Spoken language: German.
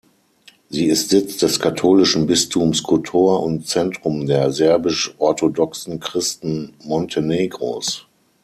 Sie ist Sitz des katholischen Bistums Kotor und Zentrum der serbisch-orthodoxen Christen Montenegros.